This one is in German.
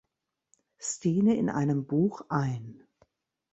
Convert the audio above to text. Stine in einem Buch ein.